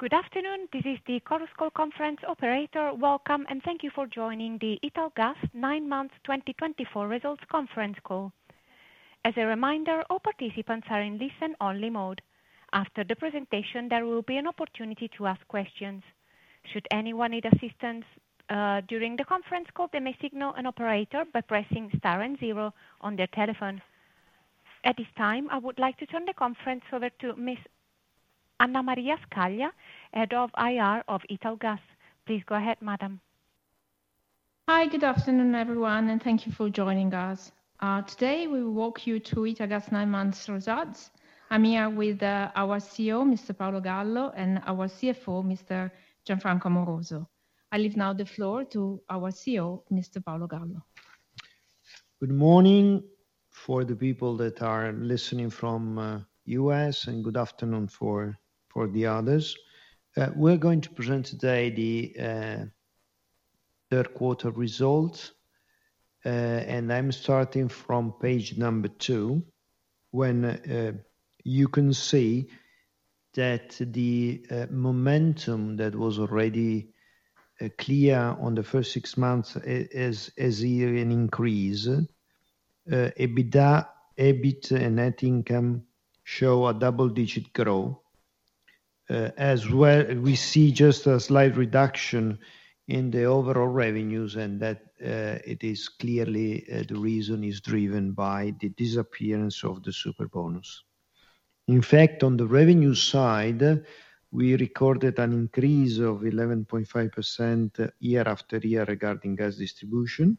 Good afternoon. This is the Chorus Call conference operator. Welcome, and thank you for joining the Italgas nine months 2024 results conference call. As a reminder, all participants are in listen-only mode. After the presentation, there will be an opportunity to ask questions. Should anyone need assistance during the conference call, they may signal an operator by pressing star and zero on their telephones. At this time, I would like to turn the conference over to Ms. Anna Maria Scaglia, Head of IR of Italgas. Please go ahead, madam. Hi. Good afternoon, everyone, and thank you for joining us. Today, we will walk you through Italgas nine months results. I'm here with our CEO, Mr. Paolo Gallo, and our CFO, Mr. Gianfranco Amoroso. I leave now the floor to our CEO, Mr. Paolo Gallo. Good morning for the people that are listening from U.S., and good afternoon for the others. We're going to present today the third quarter results, and I'm starting from page number two, when you can see that the momentum that was already clear on the first six months is here an increase. EBITDA, EBIT, and net income show a double-digit growth. As well, we see just a slight reduction in the overall revenues, and that it is clearly the reason is driven by the disappearance of the Superbonus. In fact, on the revenue side, we recorded an increase of 11.5% year-after-year regarding gas distribution,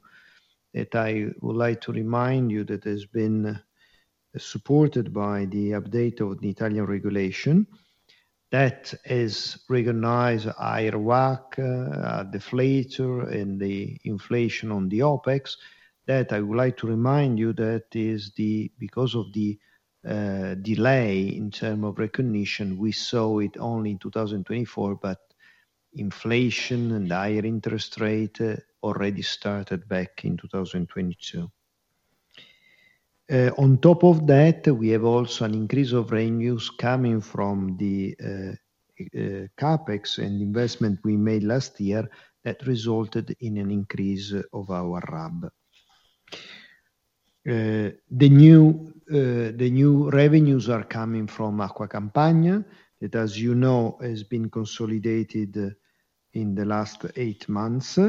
that I would like to remind you that has been supported by the update of the Italian regulation. That is recognize higher WACC, deflator and the inflation on the OpEx, that I would like to remind you that is the. Because of the delay in terms of recognition, we saw it only in twenty twenty-four, but inflation and higher interest rate already started back in twenty twenty-two. On top of that, we have also an increase of revenues coming from the CapEx and investment we made last year that resulted in an increase of our RAB. The new revenues are coming from Acqua Campania, that, as you know, has been consolidated in the last eight months,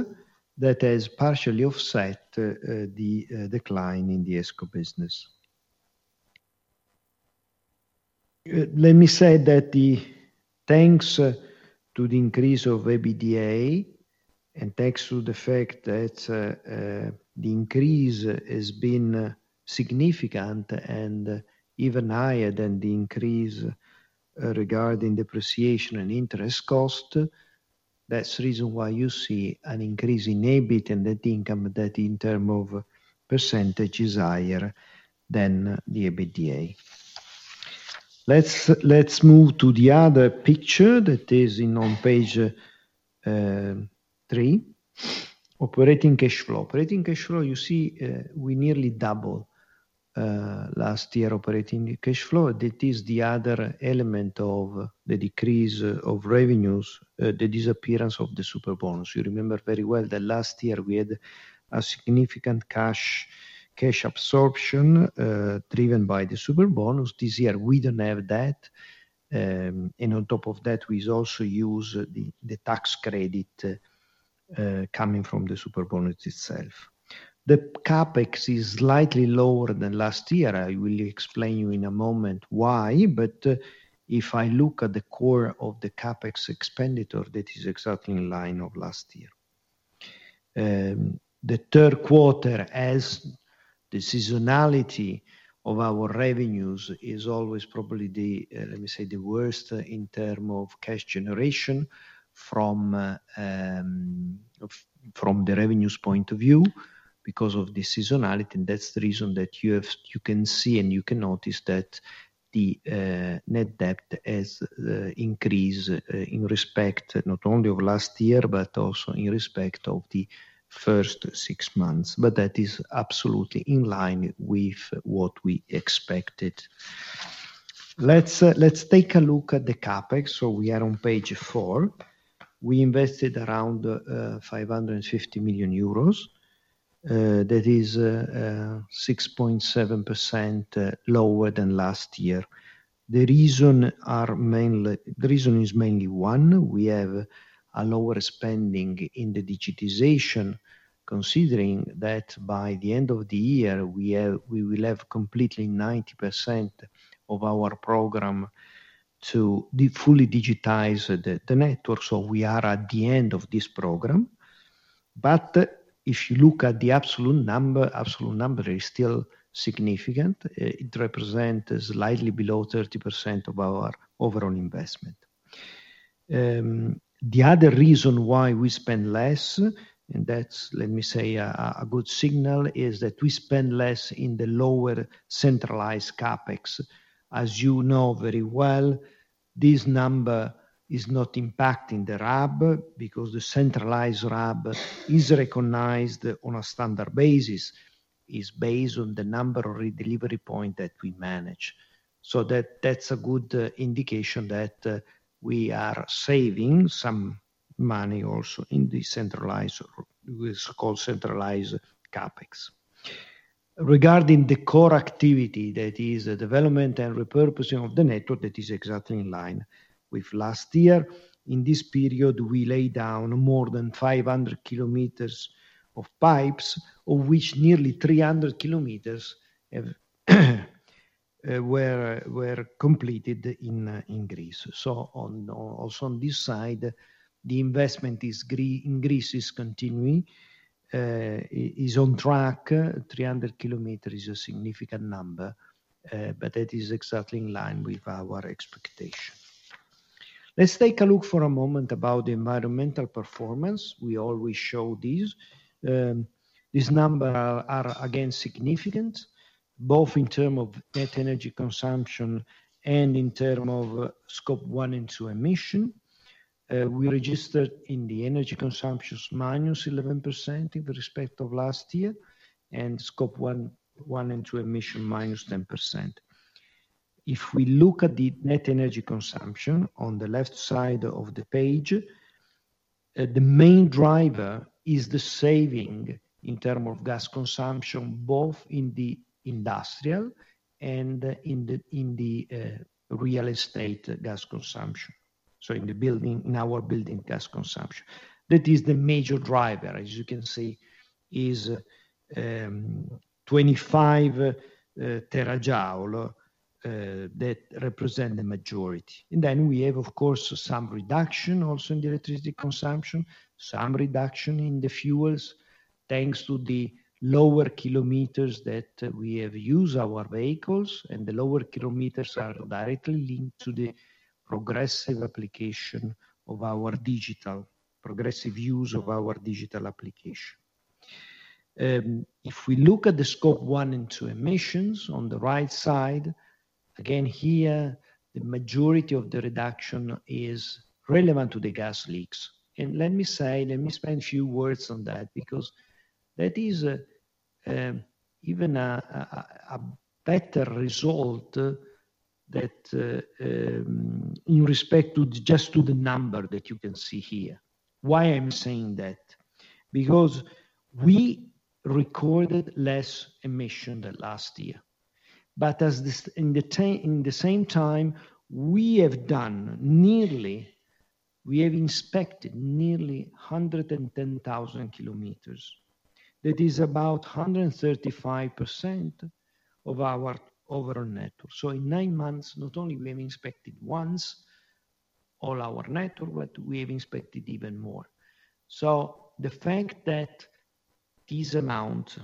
that has partially offset the decline in the ESCO business. Let me say that thanks to the increase of EBITDA and thanks to the fact that the increase has been significant and even higher than the increase regarding depreciation and interest cost, that's the reason why you see an increase in EBIT and net income, that in term of percentage is higher than the EBITDA. Let's move to the other picture that is on page three. Operating cash flow. Operating cash flow, you see, we nearly double last year operating cash flow. That is the other element of the decrease of revenues, the disappearance of the Superbonus. You remember very well that last year we had a significant cash absorption driven by the Superbonus. This year, we don't have that. On top of that, we also use the tax credit coming from the Superbonus itself. The CapEx is slightly lower than last year. I will explain you in a moment why, but if I look at the core of the CapEx expenditure, that is exactly in line of last year. The third quarter, as the seasonality of our revenues, is always probably the, let me say, the worst in term of cash generation from the revenues point of view, because of the seasonality. That's the reason that you have. You can see and you can notice that the net debt has increased in respect not only of last year, but also in respect of the first six months. But that is absolutely in line with what we expected. Let's take a look at the CapEx. So we are on Page 4. We invested around 550 million euros. That is 6.7% lower than last year. The reason is mainly one: We have a lower spending in the digitization, considering that by the end of the year, we will have completely 90% of our program to be fully digitized the network. So we are at the end of this program. But if you look at the absolute number, absolute number is still significant. It represent slightly below 30% of our overall investment. The other reason why we spend less, and that's, let me say, a good signal, is that we spend less in the lower centralized CapEx. As you know very well, this number is not impacting the RAB, because the centralized RAB is recognized on a standard basis. It is based on the number of redelivery points that we manage. So that is a good indication that we are saving some money also in the centralized, or what's called centralized CapEx. Regarding the core activity, that is the development and repurposing of the network, that is exactly in line with last year. In this period, we laid down more than 500 km of pipes, of which nearly 300 km were completed in Greece. So also on this side, the investment in Greece is continuing, is on track. 300 km is a significant number, but that is exactly in line with our expectation. Let's take a look for a moment about the environmental performance. We always show these. These numbers are again significant, both in terms of net energy consumption and in terms of Scope 1 and 2 emissions. We registered in the energy consumptions -11% in respect of last year, and Scope 1 and 2 emissions -10%. If we look at the net energy consumption on the left side of the page, the main driver is the saving in terms of gas consumption, both in the industrial and in the real estate gas consumption. So in the building, in our building gas consumption. That is the major driver, as you can see, 25 TJ that represent the majority. Then we have, of course, some reduction also in the electricity consumption, some reduction in the fuels, thanks to the lower kilometers that we have used our vehicles, and the lower kilometers are directly linked to the progressive application of our digital... progressive use of our digital application. If we look at the Scope 1 and 2 emissions on the right side, again, here, the majority of the reduction is relevant to the gas leaks. Let me say, let me spend a few words on that because that is even a better result that in respect to just the number that you can see here. Why I'm saying that? Because we recorded less emission than last year, but at the same time, we have inspected nearly 110,000 km. That is about 135% of our overall network. In nine months, not only we have inspected once all our network, but we have inspected even more. The fact that this amount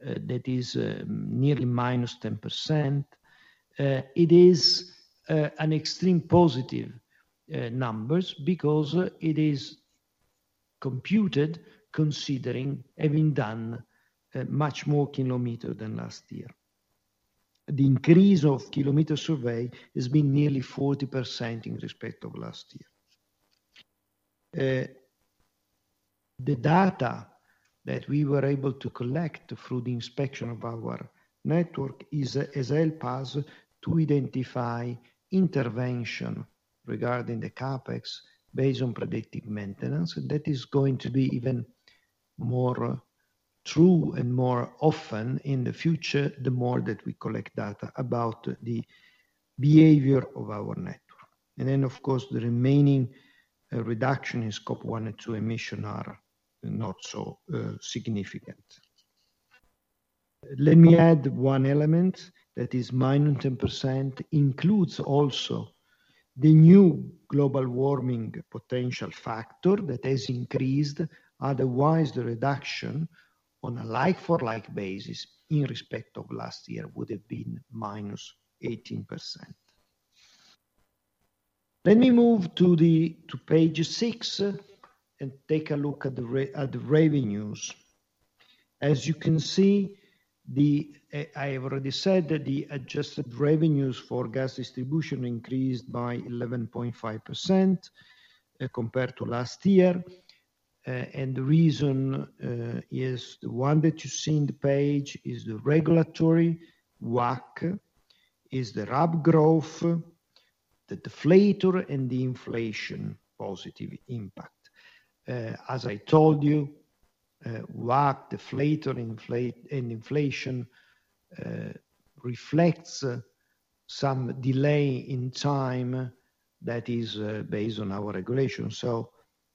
that is nearly -10%, it is an extreme positive numbers because it is computed considering having done much more kilometer than last year. The increase of kilometer survey has been nearly 40% in respect of last year. The data that we were able to collect through the inspection of our network has helped us to identify intervention regarding the CapEx based on predictive maintenance. That is going to be even more true and more often in the future, the more that we collect data about the behavior of our network. Then, of course, the remaining reduction in Scope 1 and 2 emissions are not so significant. Let me add one element, that is, -10% includes also the new global warming potential factor that has increased. Otherwise, the reduction on a like-for-like basis in respect of last year would have been -18%. Let me move to the page six and take a look at the revenues. As you can see, I have already said that the adjusted revenues for gas distribution increased by 11.5%, compared to last year. The reason is the one that you see in the page is the regulatory WACC, is the RAB growth, the deflator, and the inflation positive impact. As I told you, WACC, deflator, inflate, and inflation reflects some delay in time that is based on our regulation.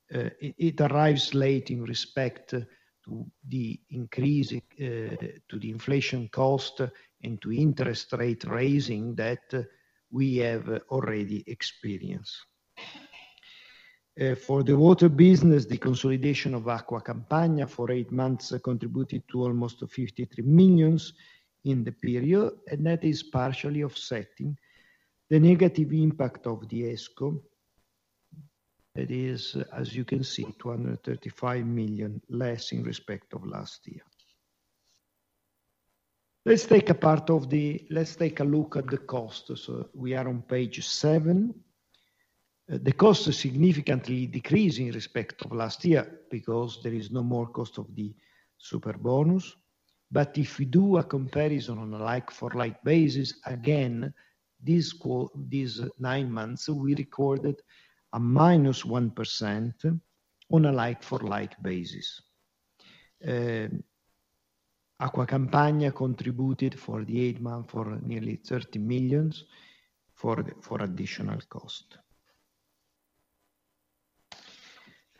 It arrives late in respect to the increase to the inflation cost and to interest rate raising that we have already experienced. For the water business, the consolidation of Acqua Campania for eight months contributed to almost 53 million in the period, and that is partially offsetting the negative impact of the ESCO. That is, as you can see, 235 million less in respect of last year. Let's take a look at the cost. We are on Page 7. The cost is significantly decreasing in respect of last year because there is no more cost of the Superbonus. But if we do a comparison on a like-for-like basis, again, these nine months, we recorded a -1% on a like-for-like basis. Acqua Campania contributed for the eight months nearly 30 million for additional cost.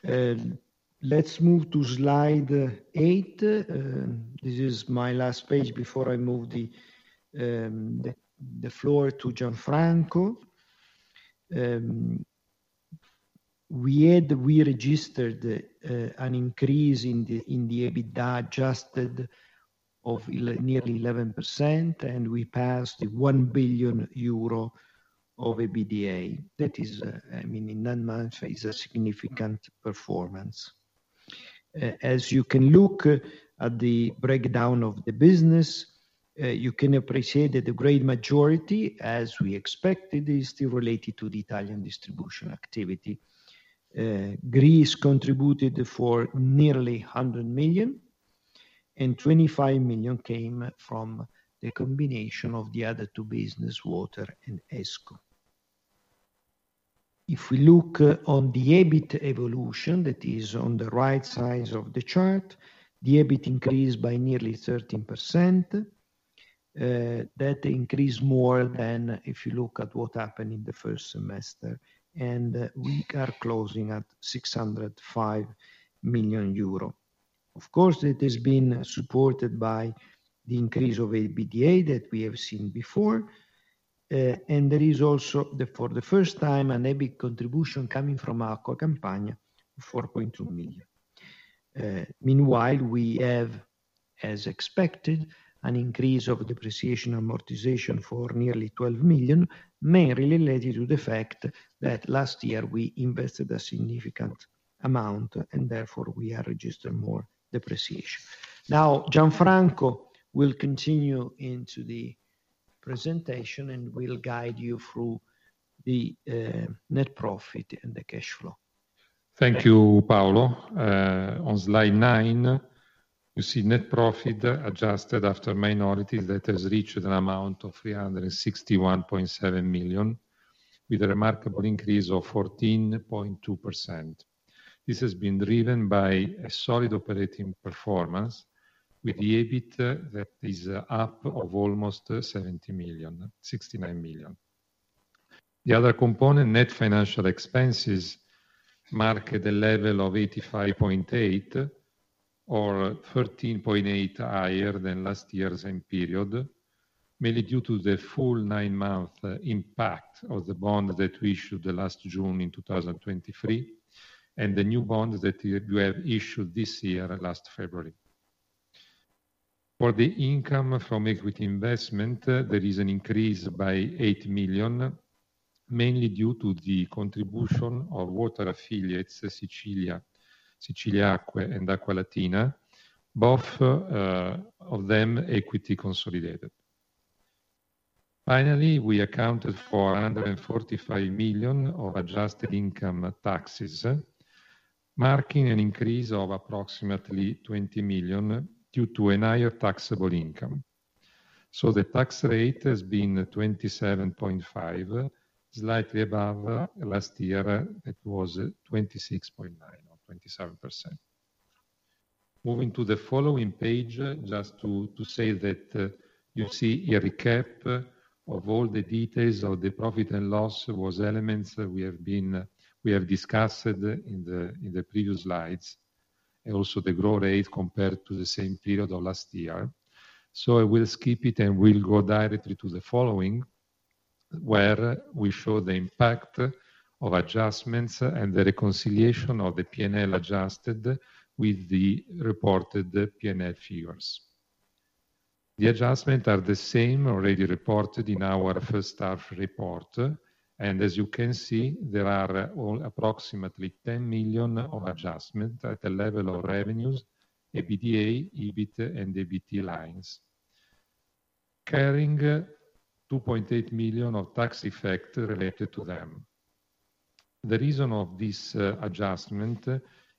Let's move to Slide 8. This is my last page before I move the floor to Gianfranco. We had, we registered, an increase in the EBITDA adjusted of nearly 11%, and we passed 1 billion euro of EBITDA. That is, I mean, in nine months is a significant performance. As you can look at the breakdown of the business, you can appreciate that the great majority, as we expected, is still related to the Italian distribution activity. Greece contributed nearly 100 million, and 25 million came from the combination of the other two businesses, water and ESCO. If we look on the EBIT evolution, that is on the right side of the chart, the EBIT increased by nearly 13%. That increased more than if you look at what happened in the first semester, and we are closing at 605 million euro. Of course, it has been supported by the increase of EBITDA that we have seen before, and there is also, the, for the first time, an EBIT contribution coming from Acqua Campania, 4.2 million. Meanwhile, we have, as expected, an increase of depreciation amortization nearly 12 million, mainly related to the fact that last year we invested a significant amount, and therefore, we are registered more depreciation. Now, Gianfranco will continue into the presentation, and we'll guide you through the net profit and the cash flow. Thank you, Paolo. On Slide 9, you see net profit adjusted after minorities that has reached an amount of 361.7 million, with a remarkable increase of 14.2%. This has been driven by a solid operating performance, with the EBIT that is up of almost 69 million, 69 million. The other component, net financial expenses, marked at a level of 85.8 million or 13.8 million higher than last year's same period, mainly due to the full nine-month impact of the bond that we issued last June in 2023, and the new bond that we have issued this year, last February. For the income from equity investment, there is an increase by 8 million, mainly due to the contribution of water affiliates, Siciliacque and Acqualatina, both of them equity consolidated. Finally, we accounted for 145 million of adjusted income taxes, marking an increase of approximately 20 million due to a higher taxable income. So the tax rate has been 27.5%, slightly above last year, it was 26.9% or 27%. Moving to the following page, just to say that you see a recap of all the details of the profit and loss, those elements we have discussed in the previous slides, and also the growth rate compared to the same period of last year. I will skip it, and we'll go directly to the following, where we show the impact of adjustments and the reconciliation of the P&L adjusted with the reported P&L figures. The adjustment are the same, already reported in our first half report, and as you can see, there are all approximately 10 million of adjustment at the level of revenues, EBITDA, EBIT and EBT lines, carrying 2.8 million of tax effect related to them. The reason of this adjustment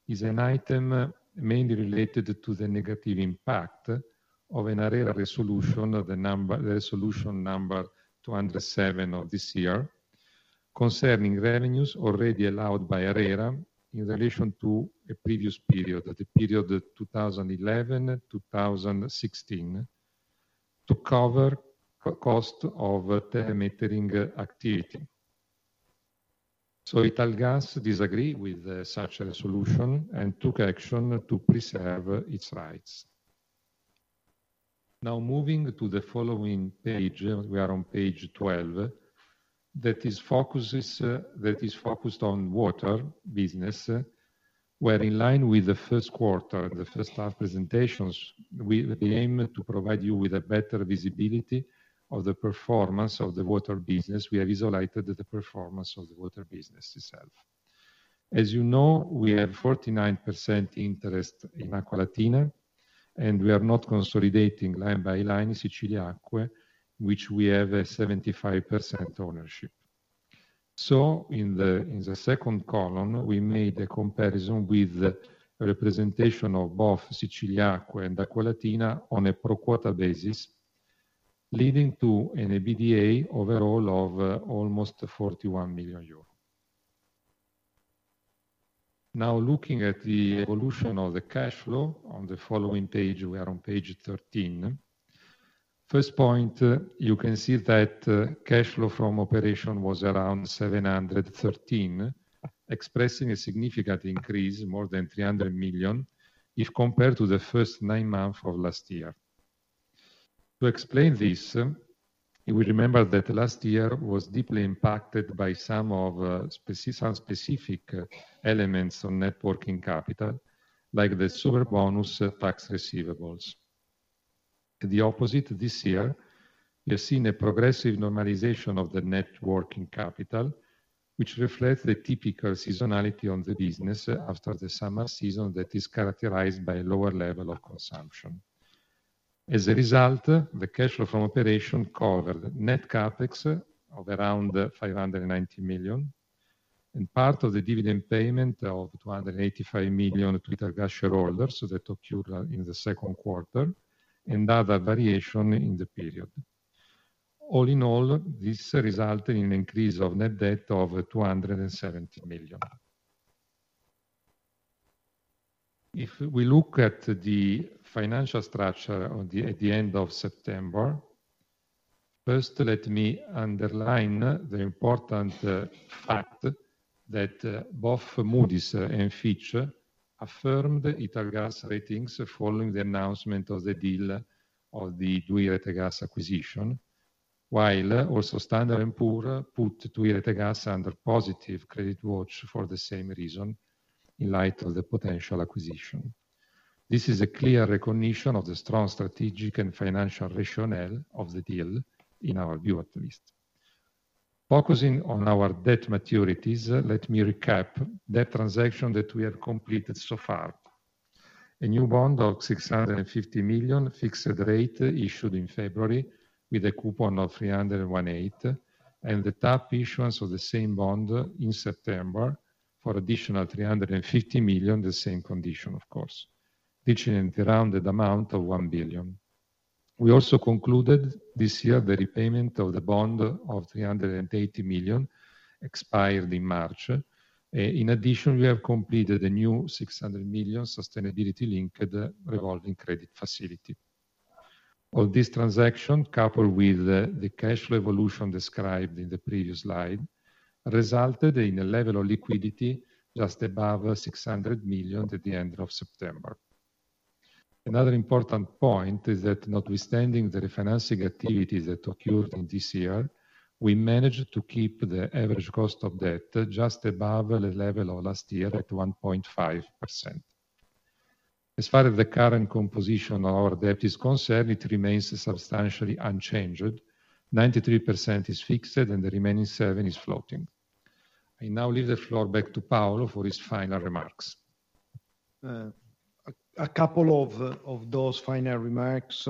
is an item mainly related to the negative impact of an ARERA resolution, the resolution number 207 of this year, concerning revenues already allowed by ARERA in relation to a previous period, the period 2011, 2016, to cover the cost of the metering activity. So Italgas disagreed with such a resolution and took action to preserve its rights. Now, moving to the following page, we are on Page 12. That is focused on water business, where, in line with the first quarter, the first half presentations, we. We aim to provide you with a better visibility of the performance of the water business. We have isolated the performance of the water business itself. As you know, we have 49% interest in Acqualatina, and we are not consolidating line by line Siciliacque, which we have a 75% ownership. So in the second column, we made a comparison with the representation of both Siciliacque and Acqualatina on a pro quota basis, leading to an EBITDA overall of almost EUR 41 million. Now, looking at the evolution of the cash flow on the following page, we are on Page 13. First point, you can see that cash flow from operation was around 713 million, expressing a significant increase, more than 300 million, if compared to the first nine months of last year. To explain this, you will remember that last year was deeply impacted by some specific elements on net working capital, like the Superbonus tax receivables. The opposite, this year, we have seen a progressive normalization of the net working capital, which reflects the typical seasonality on the business after the summer season that is characterized by lower level of consumption. As a result, the cash flow from operation covered net CapEx of around 590 million, and part of the dividend payment of 285 million to Italgas shareholders, so that occurred in the second quarter, and other variation in the period. All in all, this resulted in an increase of net debt of 270 million. If we look at the financial structure on the... at the end of September, first, let me underline the important fact that both Moody's and Fitch affirmed Italgas ratings following the announcement of the deal of the 2i Rete Gas acquisition. While also Standard and Poor's put 2i Rete Gas under positive credit watch for the same reason, in light of the potential acquisition. This is a clear recognition of the strong strategic and financial rationale of the deal, in our view, at least. Focusing on our debt maturities, let me recap that transaction that we have completed so far. A new bond of 650 million fixed rate issued in February with a coupon of 3.18%, and the tap issuance of the same bond in September for additional 350 million, the same condition, of course, reaching a rounded amount of 1 billion. We also concluded this year the repayment of the bond of 380 million, expired in March. In addition, we have completed a new 600 million sustainability-linked revolving credit facility. All this transaction, coupled with the cash flow evolution described in the previous slide, resulted in a level of liquidity just above 600 million at the end of September. Another important point is that notwithstanding the refinancing activities that occurred in this year, we managed to keep the average cost of debt just above the level of last year, at 1.5%. As far as the current composition of our debt is concerned, it remains substantially unchanged. 93% is fixed and the remaining 7% is floating. I now leave the floor back to Paolo for his final remarks. A couple of those final remarks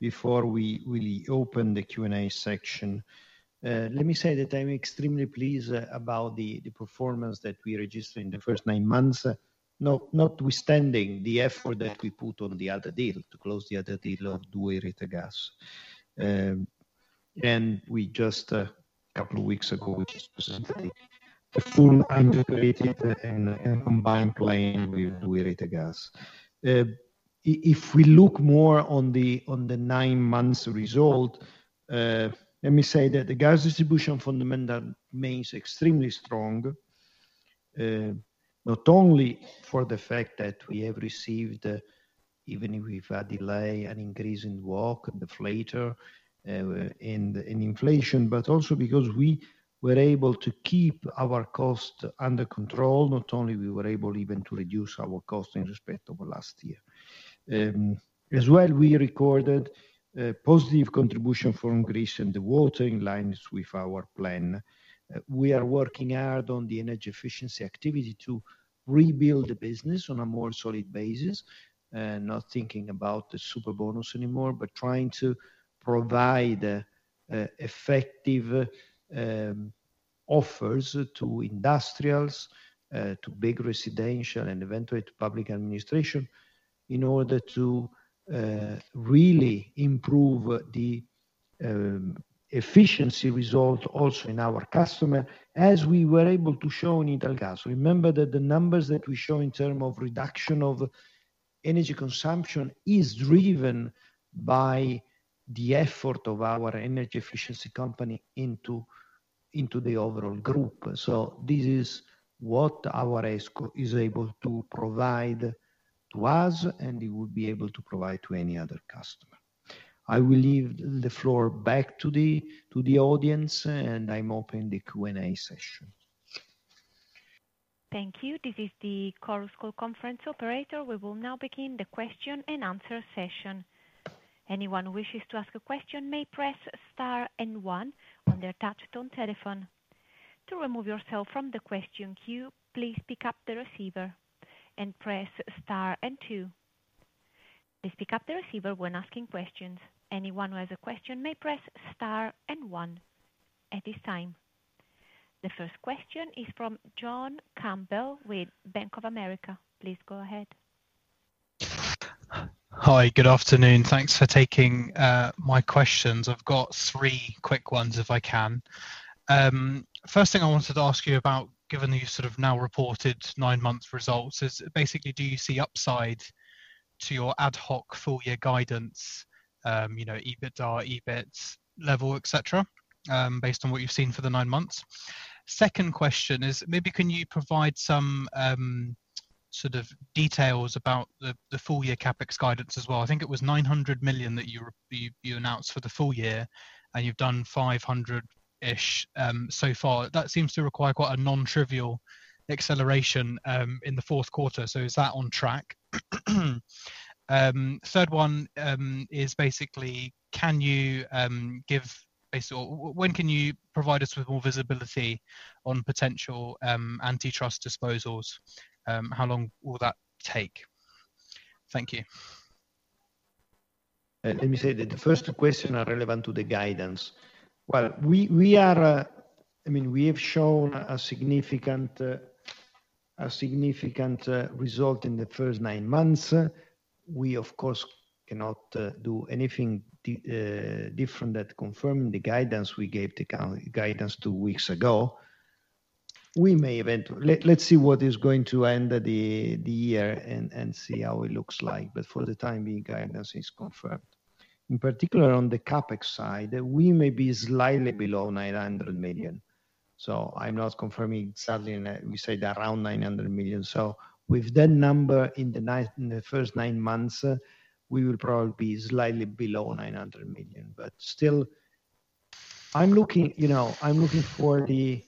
before we open the Q&A section. Let me say that I'm extremely pleased about the performance that we registered in the first nine months, notwithstanding the effort that we put on the other deal, to close the other deal of 2i Rete Gas. And we just couple of weeks ago, we just presented a full integrated and combined plan with 2i Rete Gas. If we look more on the nine months result, let me say that the gas distribution fundamental remains extremely strong, not only for the fact that we have received, even if we've had delay, an increase in WACC and deflator, in inflation, but also because we were able to keep our cost under control. Not only we were able even to reduce our cost in respect of last year. As well, we recorded positive contribution from Greece and the water, in line with our plan. We are working hard on the energy efficiency activity to rebuild the business on a more solid basis, not thinking about the Superbonus anymore, but trying to provide effective offers to industrials, to big residential and eventually to public administration, in order to really improve the efficiency results also in our customer, as we were able to show in Italgas. Remember that the numbers that we show in terms of reduction of energy consumption is driven by the effort of our energy efficiency company into the overall group. So this is what our ESCO is able to provide to us, and it would be able to provide to any other customer. I will leave the floor back to the audience, and I'm opening the Q&A session. Thank you. This is the Chorus Call conference operator. We will now begin the question and answer session. Anyone who wishes to ask a question may press star and one on their touchtone telephone. To remove yourself from the question queue, please pick up the receiver and press star and two. Please pick up the receiver when asking questions. Anyone who has a question may press star and one. At this time, the first question is from John Campbell with Bank of America. Please go ahead. Hi, good afternoon. Thanks for taking my questions. I've got three quick ones, if I can. First thing I wanted to ask you about, given that you sort of now reported nine-month results, is basically, do you see upside to your ad hoc full year guidance, you know, EBITDA, EBIT level, et cetera, based on what you've seen for the nine months? Second question is, maybe can you provide some sort of details about the full year CapEx guidance as well? I think it was 900 million that you announced for the full year, and you've done 500 million-ish so far. That seems to require quite a non-trivial acceleration in the fourth quarter. So is that on track? Third one is basically, can you give basically... When can you provide us with more visibility on potential antitrust disposals? How long will that take? Thank you. Let me say that the first question are relevant to the guidance. Well, we are. I mean, we have shown a significant result in the first nine months. We, of course, cannot do anything different that confirm the guidance we gave the guidance two weeks ago. We may eventually. Let's see what is going to end the year and see how it looks like. But for the time being, guidance is confirmed. In particular, on the CapEx side, we may be slightly below 900 million, so I'm not confirming. Sadly, we say that around 900 million. So with that number in the first nine months, we will probably be slightly below 900 million. But still, I'm looking, you know, I'm looking for the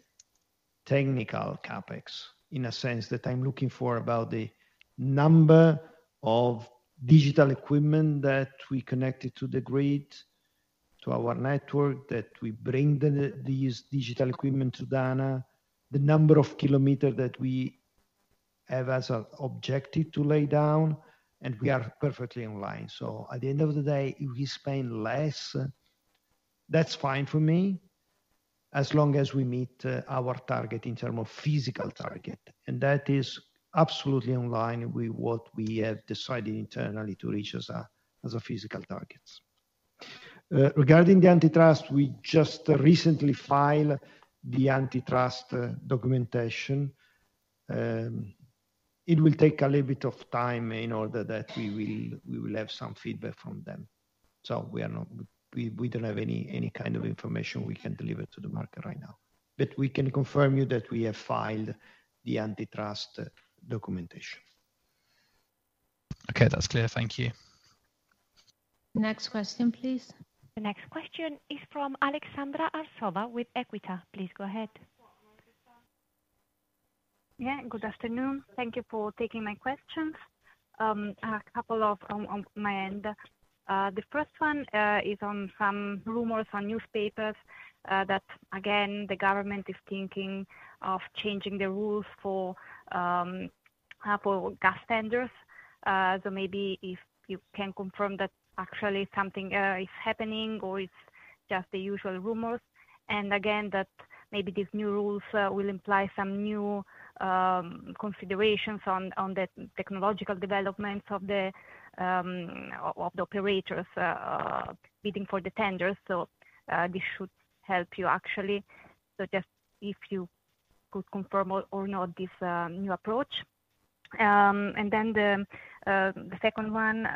technical CapEx, in a sense that I'm looking for about the number of digital equipment that we connected to the grid, to our network, that we bring the, these digital equipment to DANA, the number of kilometer that we have as an objective to lay down, and we are perfectly in line. So at the end of the day, if we spend less, that's fine for me, as long as we meet our target in term of physical target, and that is absolutely in line with what we have decided internally to reach as a physical targets. Regarding the antitrust, we just recently filed the antitrust documentation. It will take a little bit of time in order that we will have some feedback from them. So we are not. We don't have any kind of information we can deliver to the market right now. But we can confirm you that we have filed the antitrust documentation. Okay, that's clear. Thank you. Next question, please. The next question is from Aleksandra Arsova with Equita. Please go ahead. Yeah, good afternoon. Thank you for taking my questions. A couple of on my end. The first one is on some rumors on newspapers that again, the government is thinking of changing the rules for gas tenders. So maybe if you can confirm that actually something is happening or it's just the usual rumors. Again, that maybe these new rules will imply some new considerations on the technological developments of the operators bidding for the tenders. So this should help you actually. So just if you could confirm or not this new approach. Then the second one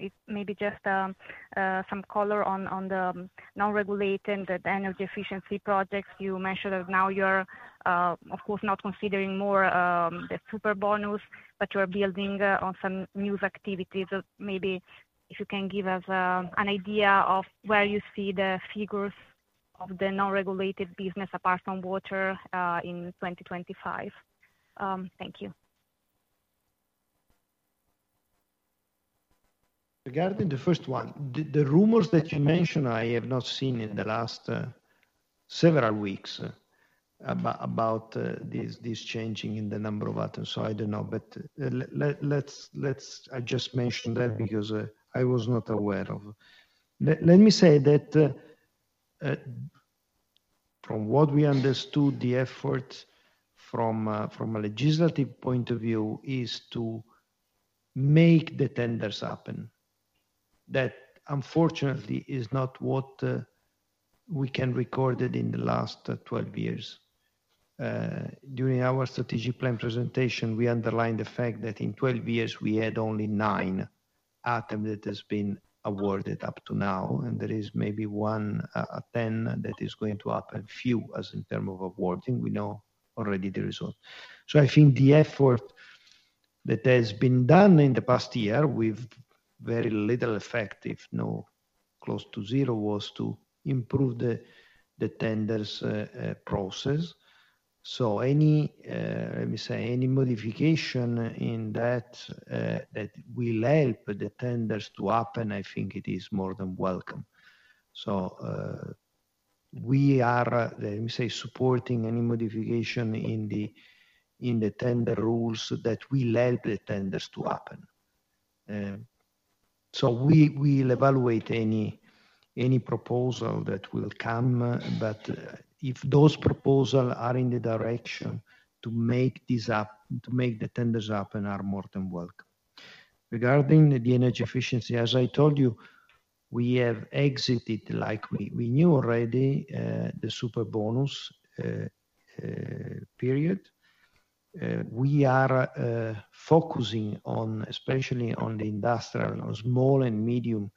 is maybe just some color on the non-regulated, the energy efficiency projects. You mentioned that now you're, of course, not considering more the Superbonus, but you are building on some new activities. Maybe if you can give us an idea of where you see the figures of the non-regulated business, apart from water, in 2025. Thank you. Regarding the first one, the rumors that you mentioned, I have not seen in the last several weeks about this changing in the number of items, so I don't know. But I just mentioned that because I was not aware of. Let me say that from what we understood, the effort from a legislative point of view is to make the tenders happen. That, unfortunately, is not what we have recorded in the last 12 years. During our strategic plan presentation, we underlined the fact that in 12 years we had only nine items that have been awarded up to now, and there is maybe one out of ten that is going to happen, as in terms of awarding, we know already the result. I think the effort that has been done in the past year, with very little effect, close to zero was to improve the tenders process. So any, let me say, any modification in that that will help the tenders to happen, I think it is more than welcome. So we are, let me say, supporting any modification in the tender rules that will help the tenders to happen. So we will evaluate any proposal that will come, but if those proposal are in the direction to make this up, to make the tenders up and are more than welcome. Regarding the energy efficiency, as I told you, we have exited, like we knew already the Superbonus period. We are focusing on, especially on the industrial or small and medium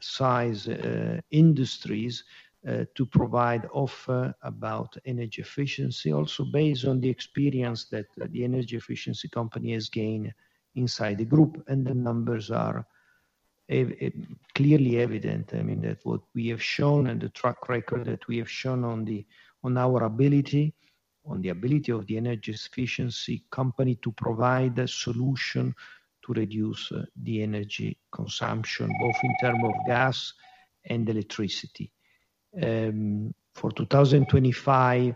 size industries, to provide offer about energy efficiency. Also, based on the experience that the energy efficiency company has gained inside the group, and the numbers are clearly evident. That what we have shown and the track record that we have shown on the ability of the energy efficiency company to provide a solution to reduce the energy consumption, both in terms of gas and electricity. For 2025,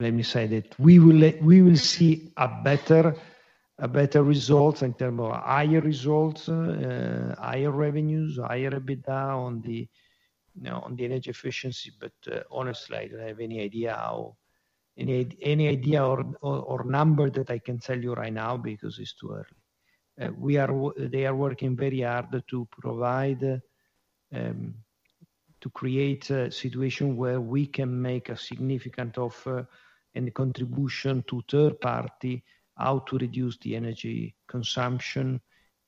let me say that we will see a better result in terms of higher results, higher revenues, higher EBITDA on the, you know, on the energy efficiency. But, honestly, I don't have any idea how, any idea or number that I can tell you right now because it's too early. They are working very hard to create a situation where we can make a significant offer and contribution to third party, how to reduce the energy consumption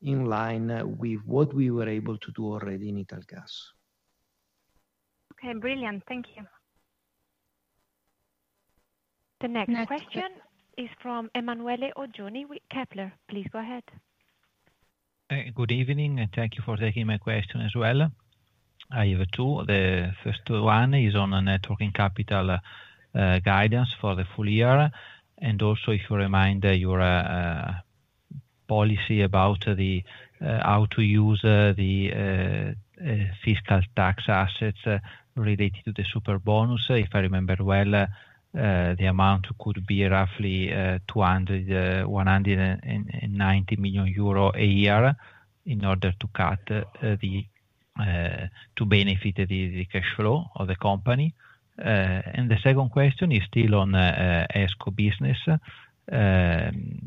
in line with what we were able to do already in Italgas. Okay, brilliant. Thank you. The next question is from Emanuele Oggioni with Kepler. Please go ahead. Good evening, and thank you for taking my question as well. I have two. The first one is on the net working capital guidance for the full year, and also if you remind your policy about the how to use the fiscal tax assets related to the Superbonus. If I remember well, the amount could be roughly 290 million euro a year in order to benefit the cash flow of the company, and the second question is still on ESCO business.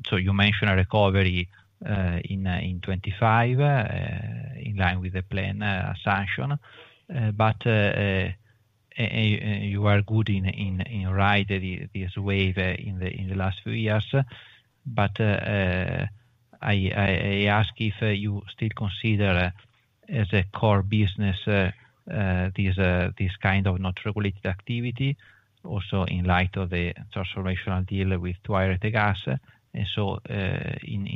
So you mentioned a recovery in 2025 in line with the plan assumption, but you are good in riding this wave in the last few years. I ask if you still consider as a core business this kind of not regulated activity, also in light of the transformational deal with 2i Rete Gas. In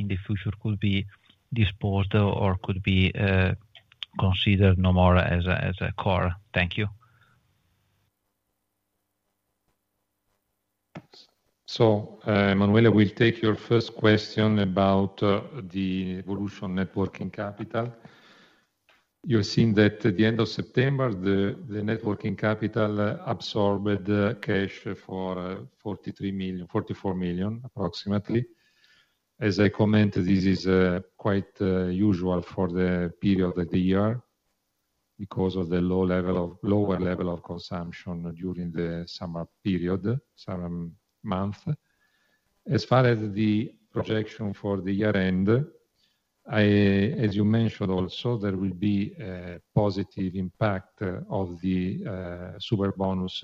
the future, could be disposed or could be considered no more as a core. Thank you. Emanuele, we will take your first question about the evolution of net working capital. You've seen that at the end of September, the net working capital absorbed cash for 43 million-44 million, approximately. As I commented, this is quite usual for the period of the year because of the lower level of consumption during the summer months. As far as the projection for the year end, as you mentioned, also, there will be a positive impact of the Superbonus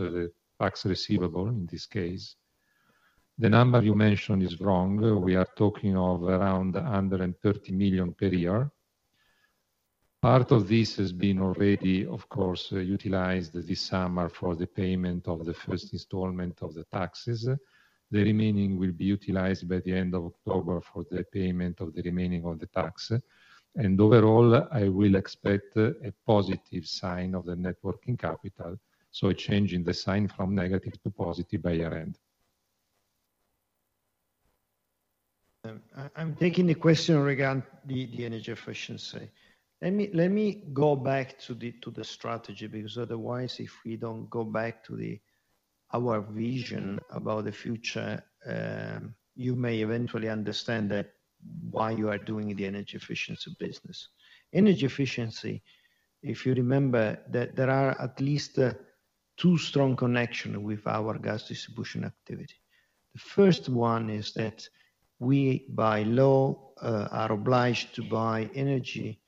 tax receivable in this case. The number you mentioned is wrong. We are talking of around 130 million per year. Part of this has been already, of course, utilized this summer for the payment of the first installment of the taxes. The remaining will be utilized by the end of October for the payment of the remaining of the tax, and overall, I will expect a positive sign of the net working capital, so a change in the sign from negative to positive by year-end. I'm taking the question regarding the energy efficiency. Let me go back to the strategy, because otherwise, if we don't go back to our vision about the future, you may eventually understand that why you are doing the energy efficiency business. Energy efficiency, if you remember, that there are at least two strong connection with our gas distribution activity. The first one is that we, by law, are obliged to buy energy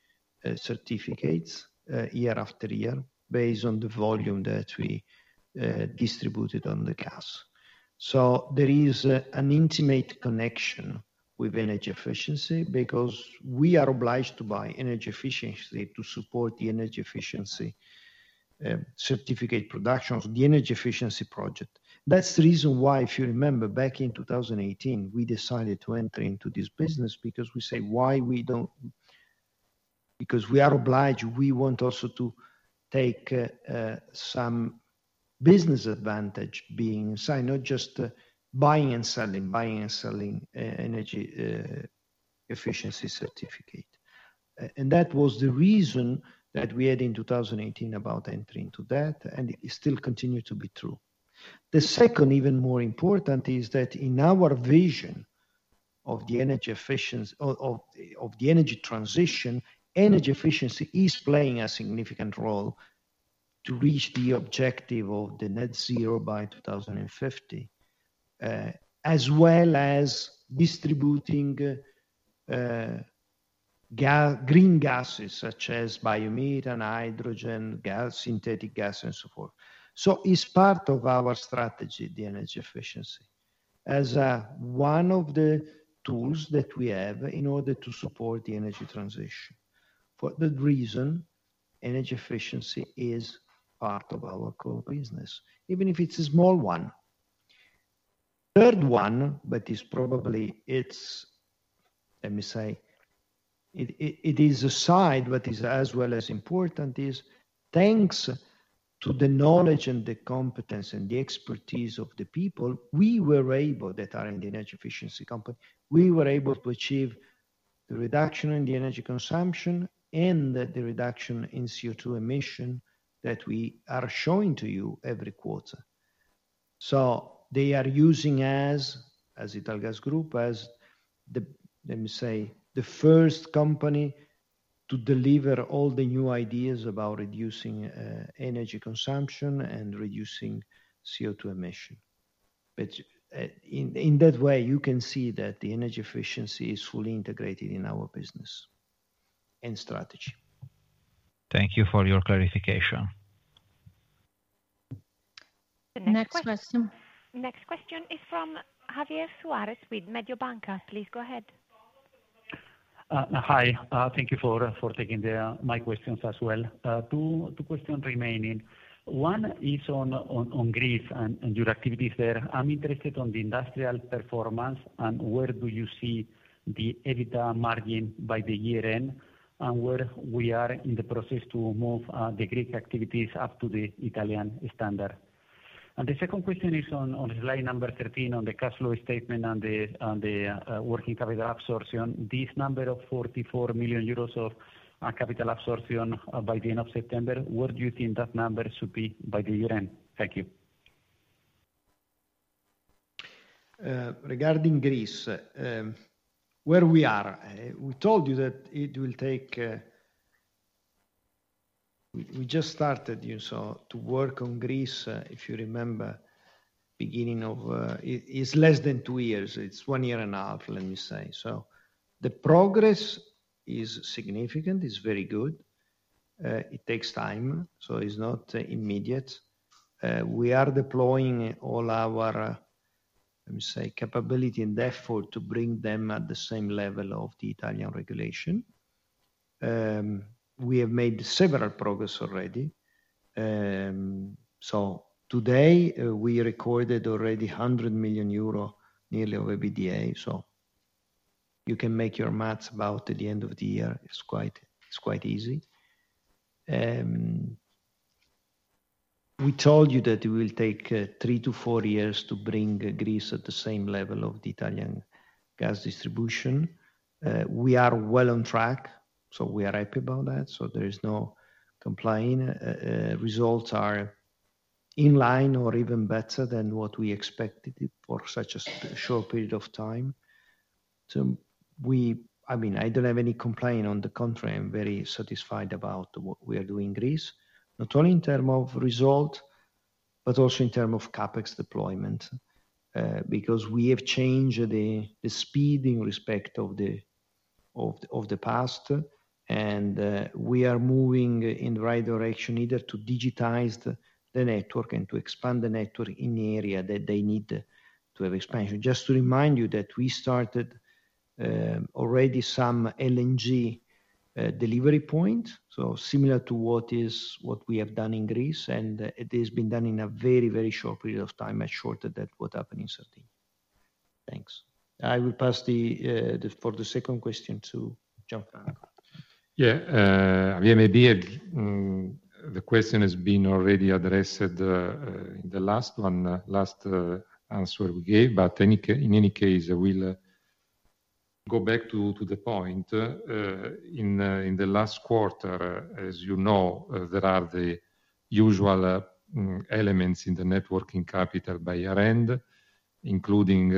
certificates year-after-year, based on the volume that we distributed on the gas. So there is an intimate connection with energy efficiency because we are obliged to buy energy efficiency to support the energy efficiency certificate productions, the energy efficiency project. That's the reason why, if you remember, back in 2018, we decided to enter into this business because we say, why we don't because we are obliged, we want also to take some business advantage being sidelined, not just buying and selling, buying and selling, energy efficiency certificate. And that was the reason that we had in two thousand and eighteen about entering into that, and it still continue to be true. The second, even more important, is that in our vision of the energy efficiency of the energy transition, energy efficiency is playing a significant role to reach the objective of the net zero by 2050. As well as distributing green gases such as biomethane and hydrogen gas, synthetic gas, and so forth. So it's part of our strategy, the energy efficiency, as one of the tools that we have in order to support the energy transition. For that reason, energy efficiency is part of our core business, even if it's a small one. Third one, but it is probably it. Let me say, it is a side, but it is as well important, thanks to the knowledge and the competence and the expertise of the people that are in the energy efficiency company, we were able to achieve the reduction in the energy consumption and the reduction in CO2 emission that we are showing to you every quarter. So they are using us, as Italgas group, as the, let me say, the first company to deliver all the new ideas about reducing energy consumption and reducing CO2 emission. But, in that way, you can see that the energy efficiency is fully integrated in our business and strategy. Thank you for your clarification. The next question- Next question. Next question is from Javier Suarez with Mediobanca. Please, go ahead. Hi. Thank you for taking my questions as well. Two questions remaining. One is on Greece and your activities there. I'm interested on the industrial performance and where do you see the EBITDA margin by the year end, and where we are in the process to move the Greek activities up to the Italian standard? The second question is on slide number 13, on the cash flow statement and the working capital absorption. This number of 44 million euros of capital absorption by the end of September, where do you think that number should be by the year end? Thank you. Regarding Greece, where we are, we told you that it will take. We just started, you saw, to work on Greece, if you remember, beginning of. It's less than two years. It's one year and a half, let me say. So the progress is significant, is very good. It takes time, so it's not immediate. We are deploying all our, let me say, capability and effort to bring them at the same level of the Italian regulation. We have made several progress already. So today, we recorded already nearly 100 million euro of EBITDA, so you can make your math about the end of the year. It's quite easy. We told you that it will take three to four years to bring Greece at the same level of the Italian gas distribution. We are well on track, so we are happy about that, so there is no complaint. Results are in line or even better than what we expected it for such a short period of time. I don't have any complaint. On the contrary, I'm very satisfied about what we are doing in Greece, not only in terms of result, but also in terms of CapEx deployment, because we have changed the speed in respect of the past. We are moving in the right direction, either to digitize the network and to expand the network in the area that they need to have expansion. Just to remind you that we started already some LNG delivery point, so similar to what we have done in Greece, and it has been done in a very, very short period of time, much shorter than what happened in certain. Thanks. I will pass the for the second question to Gianfranco. Yeah, maybe the question has been already addressed in the last answer we gave. But in any case, I will go back to the point. In the last quarter, as you know, there are the usual elements in the net working capital by year-end, including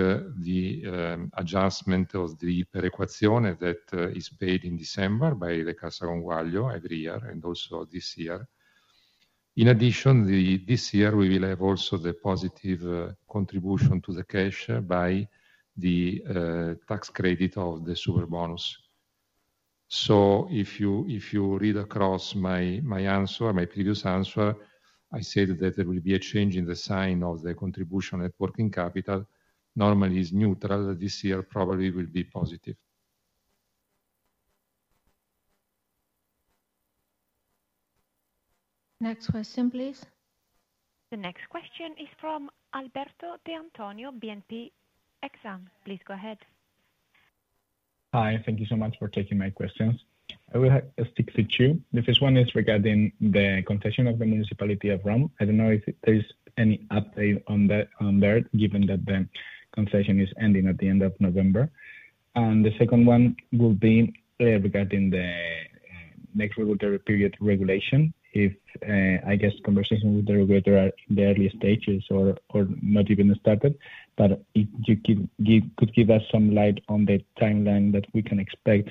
the adjustment of the perequazione that is paid in December by the Cassa Conguaglio every year, and also this year. In addition, this year, we will have also the positive contribution to the cash by the tax credit of the Superbonus. So if you read across my previous answer, I said that there will be a change in the sign of the contribution net working capital. Normally, it's neutral. This year, probably will be positive. Next question, please. The next question is from Alberto D'Antonio, BNP Paribas Exane. Please go ahead. Hi, thank you so much for taking my questions. I will have stick to two. The first one is regarding the concession of the Municipality of Rome. I don't know if there's any update on that, on there, given that the concession is ending at the end of November. The second one will be regarding the next regulatory period regulation. I guess conversation with the regulator are in the early stages or not even started. But if you could give us some light on the timeline that we can expect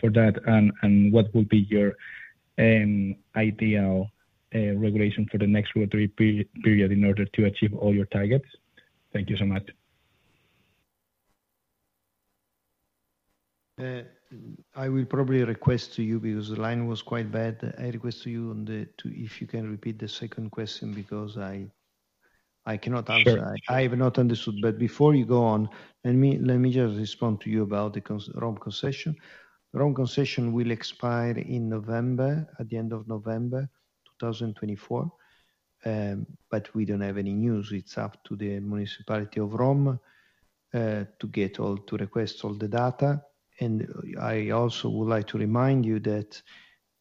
for that, and what will be your ideal regulation for the next regulatory period in order to achieve all your targets? Thank you so much. I will probably request to you, because the line was quite bad. I request to you, if you can repeat the second question, because I cannot answer. I have not understood. But before you go on, let me just respond to you about the Rome concession. Rome concession will expire in November, at the end of November, 2024. But we don't have any news. It's up to the Municipality of Rome to get all, to request all the data. And I also would like to remind you that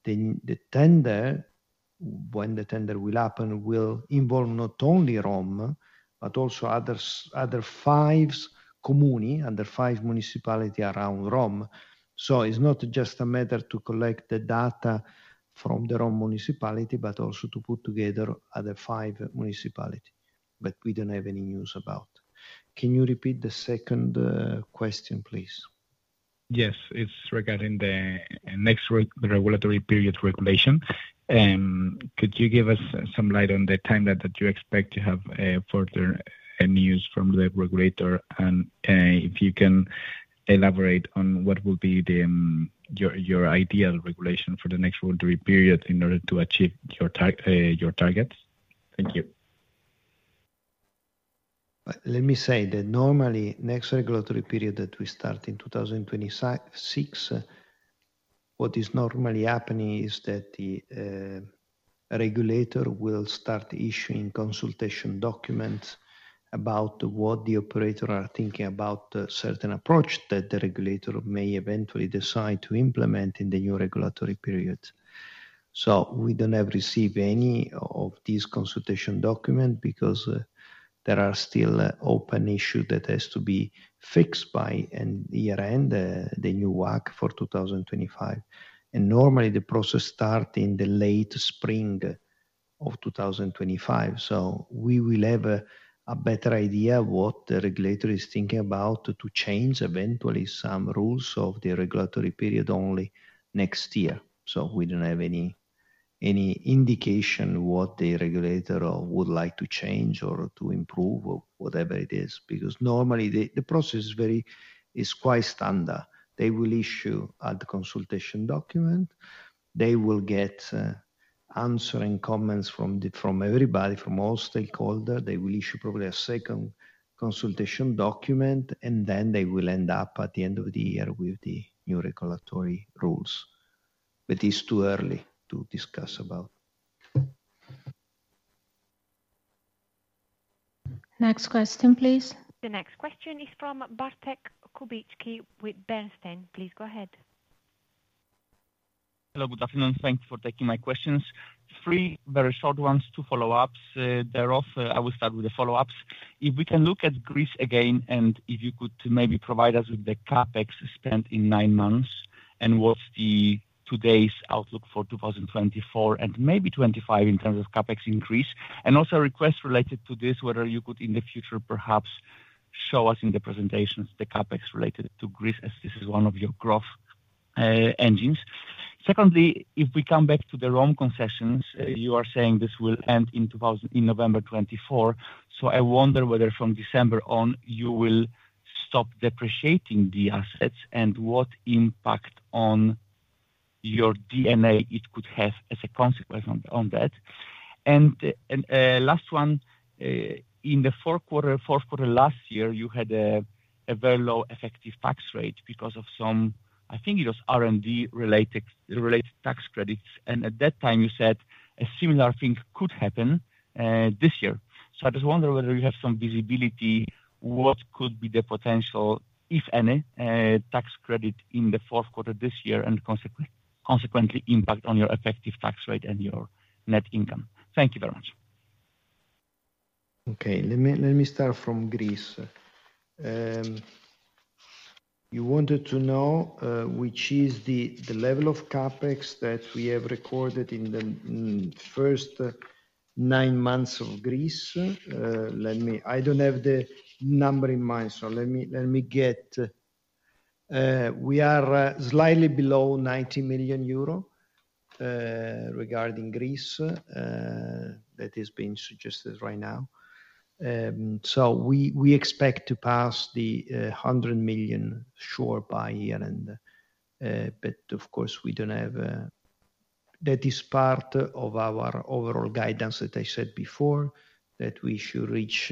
the tender, when the tender will happen, will involve not only Rome, but also other five comuni, other five municipality around Rome. So it's not just a matter to collect the data from the Rome municipality, but also to put together other five municipality. But we don't have any news about. Can you repeat the second question, please? Yes, it's regarding the next regulatory period regulation. Could you give us some light on the timeline that you expect to have further news from the regulator? If you can elaborate on what will be your ideal regulation for the next regulatory period in order to achieve your targets. Thank you. Let me say that normally, next regulatory period that will start in 2026, what is normally happening is that the regulator will start issuing consultation documents about what the operators are thinking about a certain approach that the regulator may eventually decide to implement in the new regulatory period. So we don't have received any of these consultation documents because there are still open issues that have to be fixed by the end of the year, the new WACC for 2025. Normally, the process starts in the late spring of 2025, so we will have a better idea of what the regulator is thinking about to change eventually some rules of the regulatory period only next year. So we don't have any indication what the regulator would like to change or to improve or whatever it is. Because normally, the process is quite standard. They will issue the consultation document. They will get answering comments from everybody, from all stakeholders. They will issue probably a second consultation document, and then they will end up at the end of the year with the new regulatory rules. But it's too early to discuss about. Next question, please. The next question is from Bartek Kubicki with Bernstein. Please go ahead. Hello, good afternoon. Thank you for taking my questions. Three very short ones, two follow-ups. Thereof, I will start with the follow-ups. If we can look at Greece again, and if you could maybe provide us with the CapEx spent in nine months, and what's the today's outlook for 2024 and maybe 2025 in terms of CapEx increase? Also a request related to this, whether you could, in the future, perhaps show us in the presentations, the CapEx related to Greece, as this is one of your growth engines. Secondly, if we come back to the Rome concessions, you are saying this will end in November 2024. So I wonder whether from December on, you will stop depreciating the assets and what impact on your EBITDA it could have as a consequence on that. Last one, in the fourth quarter last year, you had a very low effective tax rate because of some I think it was R&D-related tax credits, and at that time you said a similar thing could happen this year. So I just wonder whether you have some visibility what could be the potential, if any, tax credit in the fourth quarter this year, and consequently impact on your effective tax rate and your net income. Thank you very much. Okay. Let me start from Greece. You wanted to know which is the level of CapEx that we have recorded in the first nine months of Greece? I don't have the number in mind. We are slightly below 90 million euro regarding Greece that is being suggested right now. So we expect to pass the 100 million sure by year-end, but of course, we don't have a-. That is part of our overall guidance that I said before, that we should reach,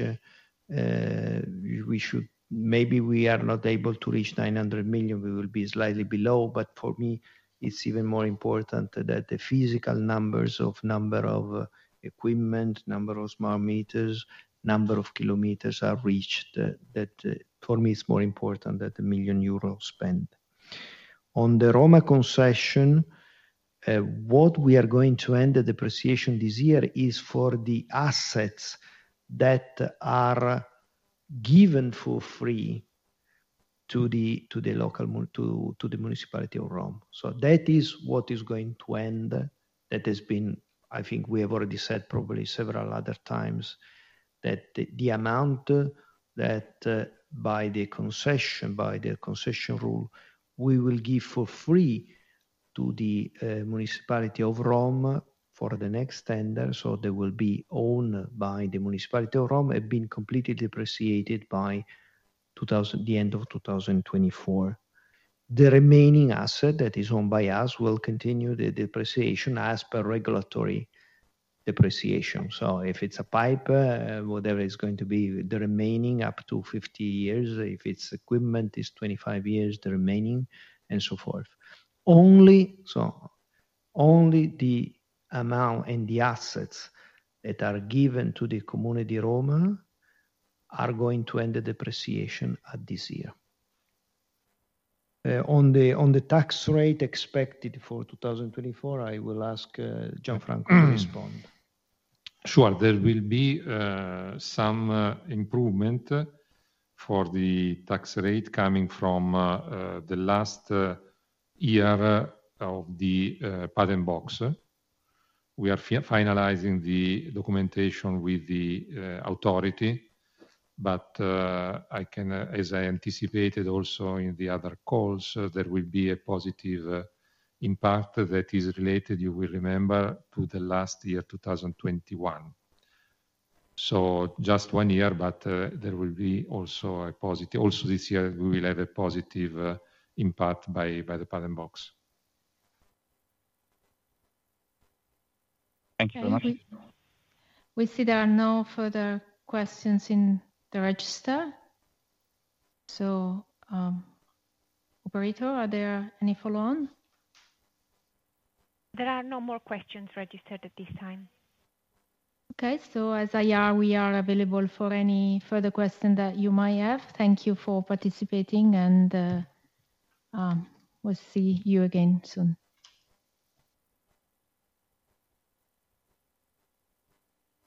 we should- maybe we are not able to reach 900 million, we will be slightly below. But for me, it's even more important that the physical numbers of number of equipment, number of smart meters, number of kilometers are reached. That, for me is more important than the 1 million euros spent. On the Rome concession, what we are going to end the depreciation this year is for the assets that are given for free to the local municipality of Rome. So that is what is going to end. That has been. I think we have already said probably several other times, that the amount that, by the concession, by the concession rule, we will give for free to the municipality of Rome for the next tender, so they will be owned by the municipality of Rome, have been completely depreciated by the end of 2024. The remaining asset that is owned by us will continue the depreciation as per regulatory depreciation. So if it's a pipe, whatever is going to be the remaining, up to 50 years. If it's equipment, it's 25 years, the remaining, and so forth. Only, so only the amount and the assets that are given to the community of Rome are going to end the depreciation at this year. On the tax rate expected for 2024, I will ask Gianfranco to respond. Sure. There will be some improvement for the tax rate coming from the last year of the Patent Box. We are finalizing the documentation with the authority, but I can, as I anticipated also in the other calls, there will be a positive impact that is related, you will remember, to the last year, 2021. So just one year, but there will be also a positive... Also, this year, we will have a positive impact by the Patent Box. Thank you very much. We see there are no further questions in the register. So, operator, are there any follow on? There are no more questions registered at this time. Okay. So as I are, we are available for any further question that you might have. Thank you for participating, and we'll see you again soon.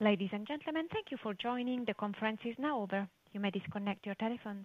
Ladies and gentlemen, thank you for joining. The conference is now over. You may disconnect your telephones.